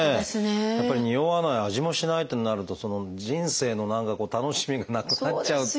やっぱりにおわない味もしないってなると人生の何か楽しみがなくなっちゃうっていうような。